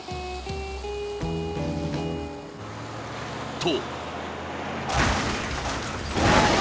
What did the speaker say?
［と］